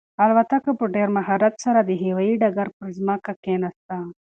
الوتکه په ډېر مهارت سره د هوايي ډګر پر ځمکه کښېناسته.